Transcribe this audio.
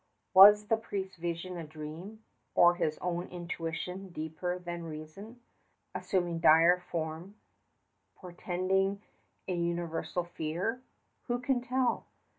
Was the priest's vision a dream, or his own intuition deeper than reason, assuming dire form, portending a universal fear? Who can tell?